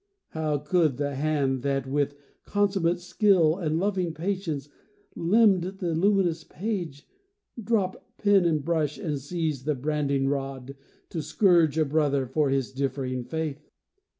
How could the hand that, with consummate skill And loving patience, limned the luminous page, Drop pen and brush, and seize the branding rod, To scourge a brother for his differing faith?